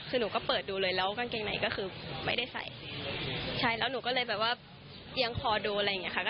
คือหนูก็เปิดดูเลยแล้วกางเกงไหนก็คือไม่ได้ใส่ใช่แล้วหนูก็เลยแบบว่าเอียงคอดูอะไรอย่างเงี้ค่ะ